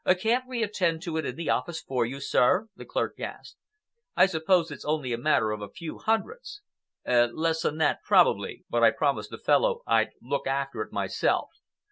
"Can't we attend to it in the office for you, sir?" the clerk asked. "I suppose it's only a matter of a few hundreds." "Less than that, probably, but I promised the fellow I'd look after it myself.